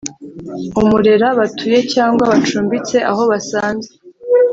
Umurera batuye cyangwa bacumbitse aho basanze